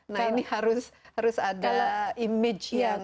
nah ini harus ada image yang